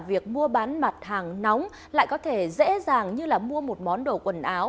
việc mua bán mặt hàng nóng lại có thể dễ dàng như mua một món đồ quần áo